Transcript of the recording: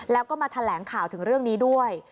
แล้วก็มาแถลงข่าวถึงเรื่องนี้ด้วย